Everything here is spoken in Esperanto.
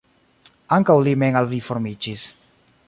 Ankaŭ li mem aliformiĝis.